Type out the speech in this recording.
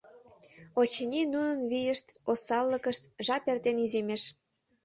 Очыни, нунын вийышт-осаллыкышт жап эртен иземеш.